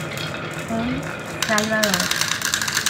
El Salvador.